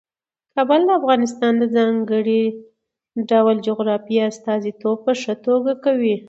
کابل د افغانستان د ځانګړي ډول جغرافیې استازیتوب په ښه توګه کوي.